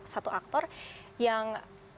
satu aktor yang